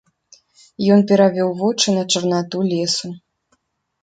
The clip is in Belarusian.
Ён перавёў вочы на чарнату лесу.